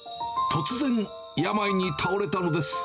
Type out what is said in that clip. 突然、病に倒れたのです。